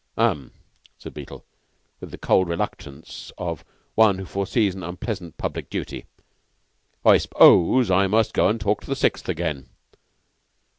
"Um!" said Beetle, with the cold reluctance of one who foresees an unpleasant public duty. "I suppose I must go and talk to the Sixth again."